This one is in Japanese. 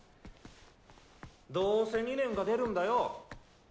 どうせ２年が出るんだよ。